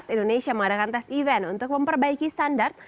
indonesia mengadakan tes event untuk memperbaiki standar